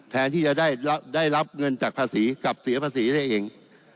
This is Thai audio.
แทนที่จะได้รับเงินจากภาษีกับเสียภาษีได้เอง